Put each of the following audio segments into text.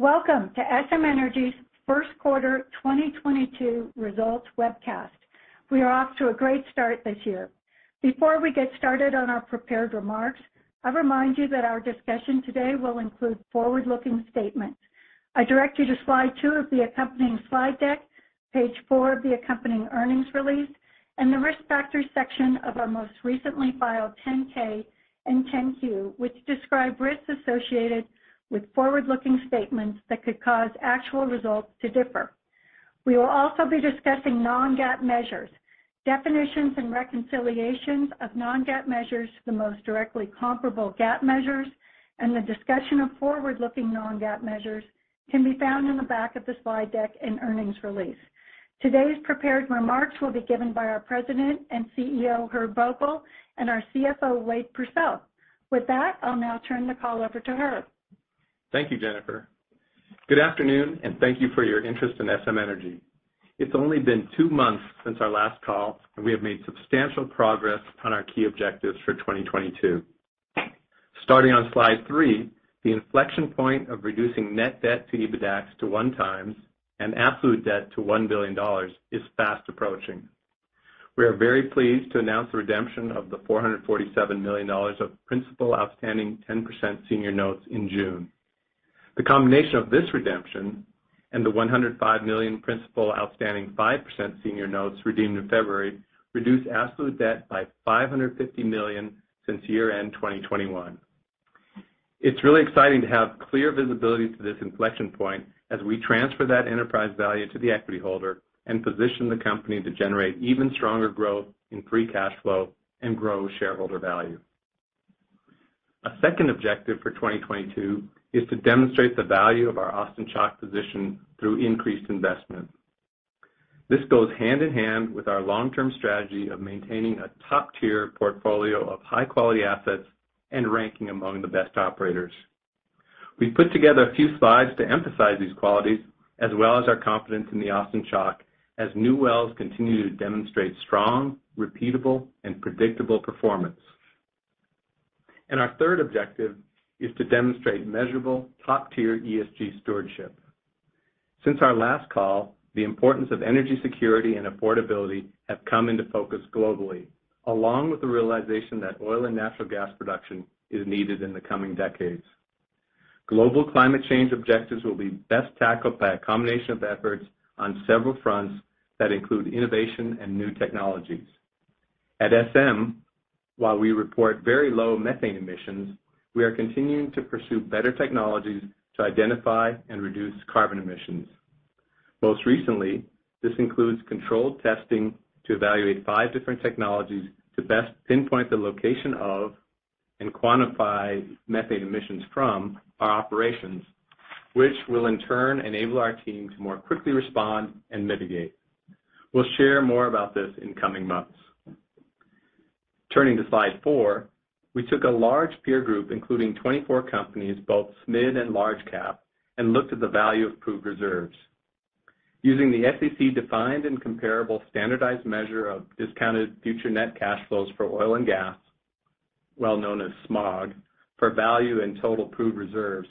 Welcome to SM Energy's first quarter 2022 results webcast. We are off to a great start this year. Before we get started on our prepared remarks, I'll remind you that our discussion today will include forward-looking statements. I direct you to slide two of the accompanying slide deck, page four of the accompanying earnings release, and the Risk Factors section of our most recently filed 10-K and 10-Q, which describe risks associated with forward-looking statements that could cause actual results to differ. We will also be discussing non-GAAP measures. Definitions and reconciliations of non-GAAP measures to the most directly comparable GAAP measures and the discussion of forward-looking non-GAAP measures can be found in the back of the slide deck and earnings release. Today's prepared remarks will be given by our President and CEO, Herb Vogel, and our CFO, Wade Pursell. With that, I'll now turn the call over to Herb. Thank you, Jennifer. Good afternoon, and thank you for your interest in SM Energy. It's only been two months since our last call, and we have made substantial progress on our key objectives for 2022. Starting on slide three, the inflection point of reducing net debt to EBITDAX to 1x and absolute debt to $1 billion is fast approaching. We are very pleased to announce the redemption of the $447 million of principal outstanding 10% senior notes in June. The combination of this redemption and the $105 million principal outstanding 5% senior notes redeemed in February reduced absolute debt by $550 million since year-end 2021. It's really exciting to have clear visibility to this inflection point as we transfer that enterprise value to the equity holder and position the company to generate even stronger growth in free cash flow and grow shareholder value. A second objective for 2022 is to demonstrate the value of our Austin Chalk position through increased investment. This goes hand in hand with our long-term strategy of maintaining a top-tier portfolio of high-quality assets and ranking among the best operators. We put together a few slides to emphasize these qualities as well as our confidence in the Austin Chalk as new wells continue to demonstrate strong, repeatable, and predictable performance. Our third objective is to demonstrate measurable top-tier ESG stewardship. Since our last call, the importance of energy security and affordability have come into focus globally, along with the realization that oil and natural gas production is needed in the coming decades. Global climate change objectives will be best tackled by a combination of efforts on several fronts that include innovation and new technologies. At SM, while we report very low methane emissions, we are continuing to pursue better technologies to identify and reduce carbon emissions. Most recently, this includes controlled testing to evaluate five different technologies to best pinpoint the location of and quantify methane emissions from our operations, which will in turn enable our team to more quickly respond and mitigate. We'll share more about this in coming months. Turning to slide four, we took a large peer group including 24 companies, both mid and large cap, and looked at the value of proved reserves. Using the SEC-defined and comparable standardized measure of discounted future net cash flows for oil and gas, well known as SMOG, for value and total proved reserves,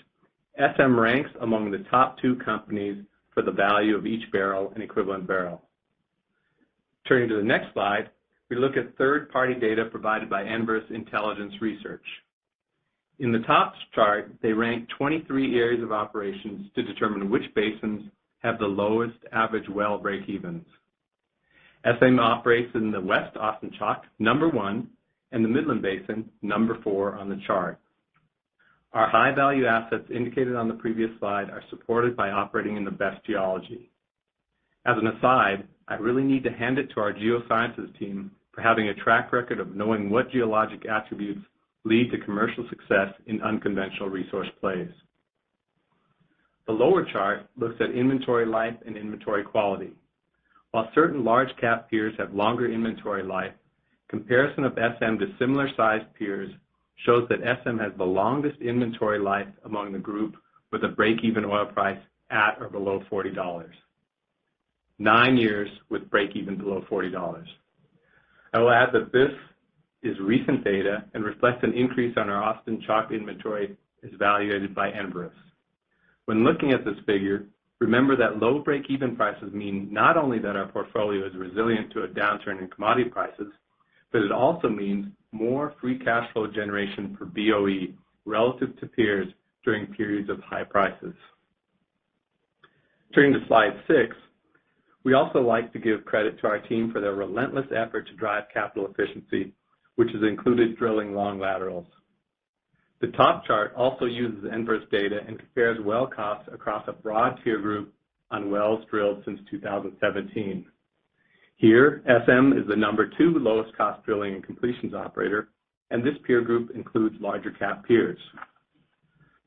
SM ranks among the top two companies for the value of each barrel and equivalent barrel. Turning to the next slide, we look at third-party data provided by Enverus Intelligence Research. In the top chart, they rank 23 areas of operations to determine which basins have the lowest average well breakevens. SM operates in the West Austin Chalk, number one, and the Midland Basin, number four on the chart. Our high-value assets indicated on the previous slide are supported by operating in the best geology. As an aside, I really need to hand it to our geosciences team for having a track record of knowing what geologic attributes lead to commercial success in unconventional resource plays. The lower chart looks at inventory life and inventory quality. While certain large cap peers have longer inventory life, comparison of SM to similar-sized peers shows that SM has the longest inventory life among the group with a breakeven oil price at or below $40. Nine years with breakevens below $40. I will add that this is recent data and reflects an increase on our Austin Chalk inventory as evaluated by Enverus. When looking at this figure, remember that low breakeven prices mean not only that our portfolio is resilient to a downturn in commodity prices, but it also means more free cash flow generation per BOE relative to peers during periods of high prices. Turning to slide six, we also like to give credit to our team for their relentless effort to drive capital efficiency, which has included drilling long laterals. The top chart also uses Enverus data and compares well costs across a broad peer group on wells drilled since 2017. Here, SM is the number two lowest-cost drilling and completions operator, and this peer group includes larger cap peers.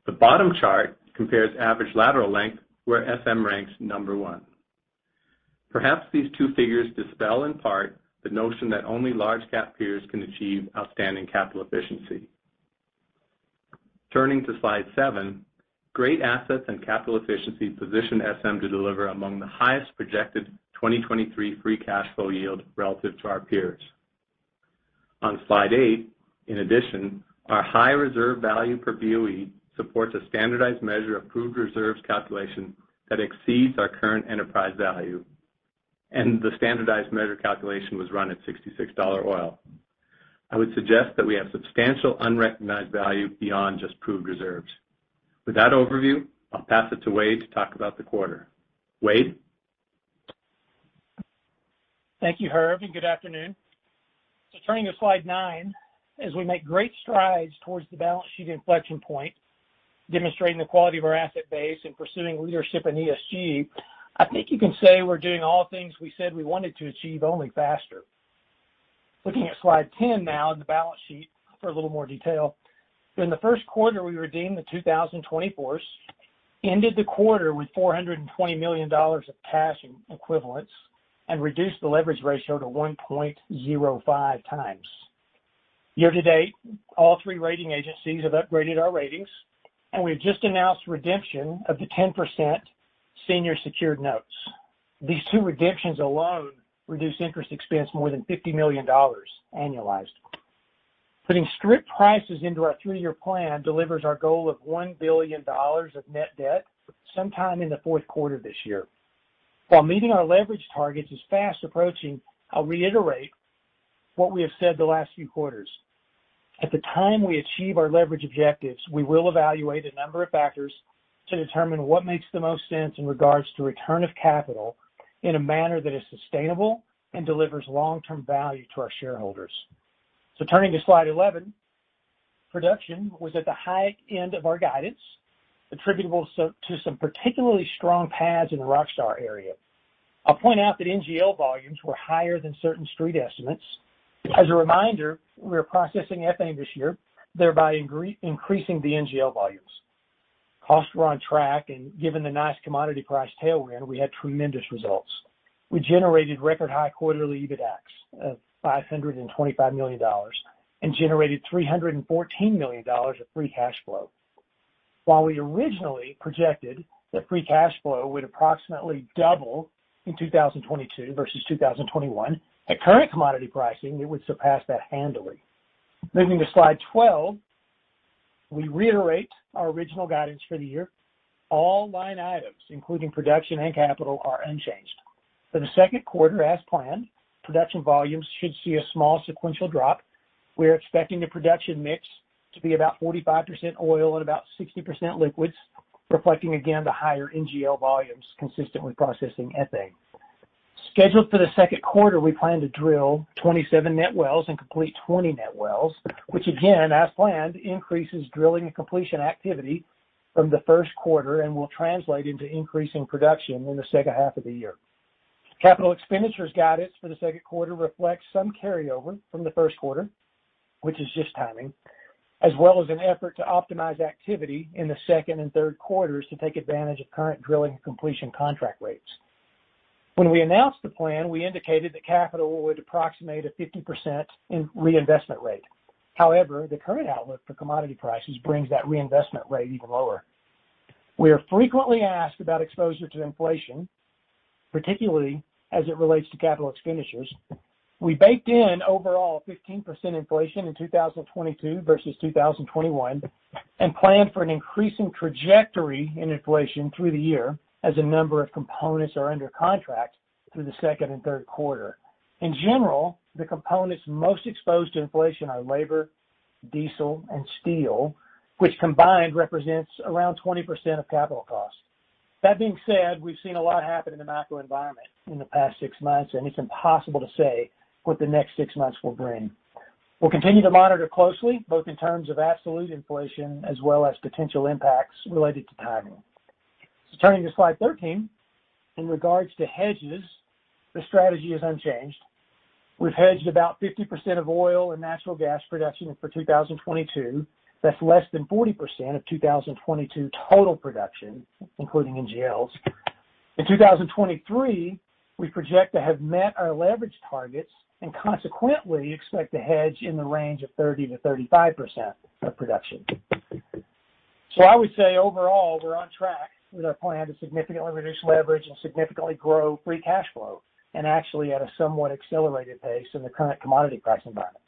The bottom chart compares average lateral length, where SM ranks number one. Perhaps these two figures dispel in part the notion that only large cap peers can achieve outstanding capital efficiency. Turning to slide seven, great assets and capital efficiency position SM to deliver among the highest projected 2023 free cash flow yield relative to our peers. On slide eight. In addition, our high reserve value per BOE supports a standardized measure of proved reserves calculation that exceeds our current enterprise value, and the standardized measure calculation was run at $66 oil. I would suggest that we have substantial unrecognized value beyond just proved reserves. With that overview, I'll pass it to Wade to talk about the quarter. Wade? Thank you, Herb, and good afternoon. Turning to slide nine. As we make great strides towards the balance sheet inflection point, demonstrating the quality of our asset base and pursuing leadership in ESG, I think you can say we're doing all things we said we wanted to achieve, only faster. Looking at slide 10 now in the balance sheet for a little more detail. During the first quarter, we redeemed the 2024s, ended the quarter with $420 million of cash equivalents, and reduced the leverage ratio to 1.05 times. Year to date, all three rating agencies have upgraded our ratings, and we've just announced redemption of the 10% Senior Secured Notes. These two redemptions alone reduced interest expense more than $50 million annualized. Putting strip prices into our three-year plan delivers our goal of $1 billion of net debt sometime in the fourth quarter this year. While meeting our leverage targets is fast approaching, I'll reiterate what we have said the last few quarters. At the time we achieve our leverage objectives, we will evaluate a number of factors to determine what makes the most sense in regards to return of capital in a manner that is sustainable and delivers long-term value to our shareholders. Turning to slide 11. Production was at the high end of our guidance, attributable to some particularly strong pads in the RockStar area. I'll point out that NGL volumes were higher than certain street estimates. As a reminder, we are processing ethane this year, thereby increasing the NGL volumes. Costs were on track, and given the nice commodity price tailwind, we had tremendous results. We generated record high quarterly EBITDAX of $525 million and generated $314 million of free cash flow. While we originally projected that free cash flow would approximately double in 2022 versus 2021, at current commodity pricing, it would surpass that handily. Moving to slide 12. We reiterate our original guidance for the year. All line items, including production and capital, are unchanged. For the second quarter, as planned, production volumes should see a small sequential drop. We're expecting the production mix to be about 45% oil and about 60% liquids, reflecting again the higher NGL volumes consistently processing ethane. Scheduled for the second quarter, we plan to drill 27 net wells and complete 20 net wells, which again, as planned, increases drilling and completion activity from the first quarter and will translate into increasing production in the second half of the year. Capital expenditures guidance for the second quarter reflects some carryover from the first quarter, which is just timing, as well as an effort to optimize activity in the second and third quarters to take advantage of current drilling and completion contract rates. When we announced the plan, we indicated that capital would approximate a 50% reinvestment rate. However, the current outlook for commodity prices brings that reinvestment rate even lower. We are frequently asked about exposure to inflation, particularly as it relates to capital expenditures. We baked in overall 15% inflation in 2022 versus 2021 and plan for an increasing trajectory in inflation through the year as a number of components are under contract through the second and third quarter. In general, the components most exposed to inflation are labor, diesel, and steel, which combined represents around 20% of capital costs. That being said, we've seen a lot happen in the macro environment in the past six months, and it's impossible to say what the next six months will bring. We'll continue to monitor closely, both in terms of absolute inflation as well as potential impacts related to timing. Turning to slide 13. In regards to hedges, the strategy is unchanged. We've hedged about 50% of oil and natural gas production for 2022. That's less than 40% of 2022 total production, including NGLs. In 2023, we project to have met our leverage targets and consequently expect to hedge in the range of 30%-35% of production. I would say overall, we're on track with our plan to significantly reduce leverage and significantly grow free cash flow and actually at a somewhat accelerated pace in the current commodity price environment.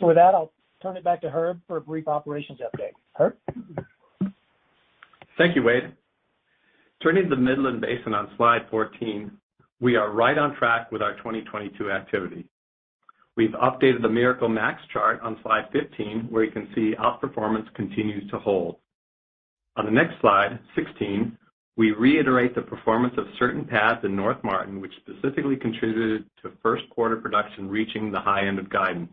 With that, I'll turn it back to Herb for a brief operations update. Herb? Thank you, Wade. Turning to the Midland Basin on slide 14. We are right on track with our 2022 activity. We've updated the Miracle Max chart on slide 15, where you can see outperformance continues to hold. On the next slide, 16, we reiterate the performance of certain pads in North Martin, which specifically contributed to first quarter production reaching the high end of guidance.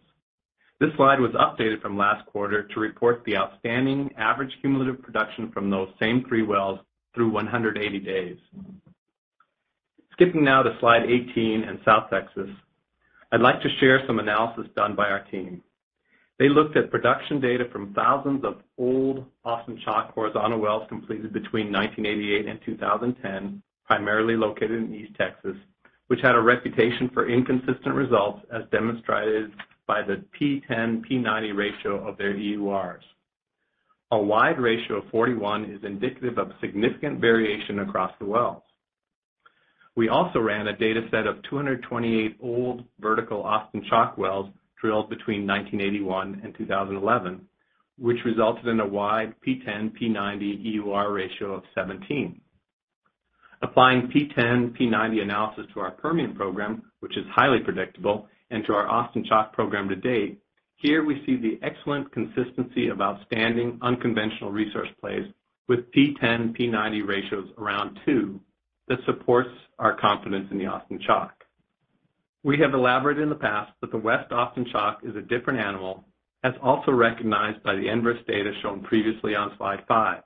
This slide was updated from last quarter to report the outstanding average cumulative production from those same three wells through 180 days. Skipping now to slide 18 and South Texas, I'd like to share some analysis done by our team. They looked at production data from thousands of old Austin Chalk horizontal wells completed between 1988 and 2010, primarily located in East Texas, which had a reputation for inconsistent results, as demonstrated by the P10, P90 ratio of their EURs. A wide ratio of 41 is indicative of significant variation across the wells. We also ran a data set of 228 old vertical Austin Chalk wells drilled between 1981 and 2011, which resulted in a wide P10, P90 EUR ratio of 17. Applying P10, P90 analysis to our Permian program, which is highly predictable, and to our Austin Chalk program to date, here we see the excellent consistency of outstanding unconventional resource plays with P10, P90 ratios around two that supports our confidence in the Austin Chalk. We have elaborated in the past that the West Austin Chalk is a different animal, as also recognized by the Enverus data shown previously on slide five.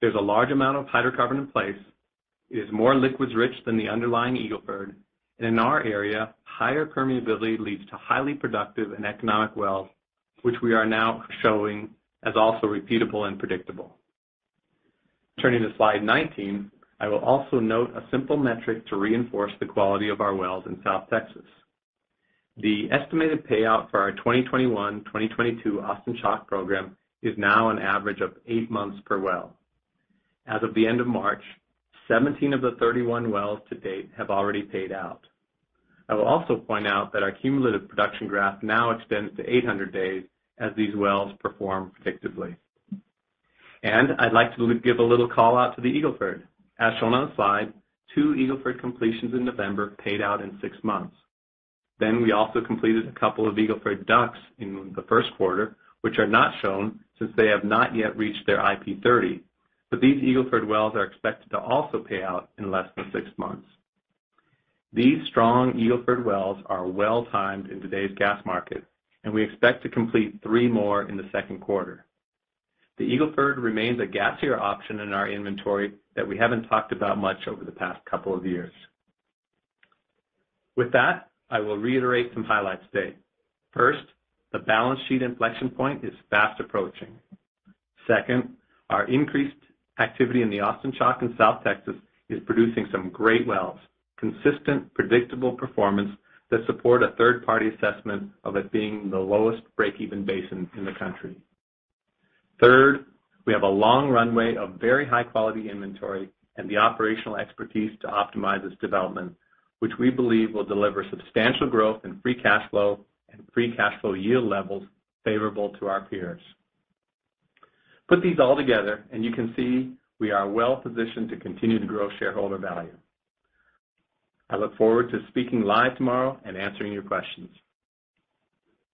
There's a large amount of hydrocarbon in place, it is more liquids rich than the underlying Eagle Ford, and in our area, higher permeability leads to highly productive and economic wells, which we are now showing as also repeatable and predictable. Turning to slide 19, I will also note a simple metric to reinforce the quality of our wells in South Texas. The estimated payout for our 2021, 2022 Austin Chalk program is now an average of eight months per well. As of the end of March, 17 of the 31 wells to date have already paid out. I will also point out that our cumulative production graph now extends to 800 days as these wells perform predictably. I'd like to give a little call-out to the Eagle Ford. As shown on the slide, two Eagle Ford completions in November paid out in six months. We also completed a couple of Eagle Ford wells in the first quarter, which are not shown since they have not yet reached their IP30. These Eagle Ford wells are expected to also pay out in less than six months. These strong Eagle Ford wells are well-timed in today's gas market, and we expect to complete three more in the second quarter. The Eagle Ford remains a gassier option in our inventory that we haven't talked about much over the past couple of years. With that, I will reiterate some highlights today. First, the balance sheet inflection point is fast approaching. Second, our increased activity in the Austin Chalk in South Texas is producing some great wells, consistent, predictable performance that support a third-party assessment of it being the lowest breakeven basin in the country. Third, we have a long runway of very high-quality inventory and the operational expertise to optimize this development, which we believe will deliver substantial growth in free cash flow and free cash flow yield levels favorable to our peers. Put these all together, and you can see we are well-positioned to continue to grow shareholder value. I look forward to speaking live tomorrow and answering your questions.